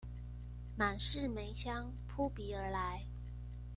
滿室梅香撲鼻而來